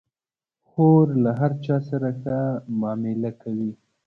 خور له هر چا سره ښه معامله کوي.